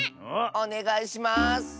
おねがいします！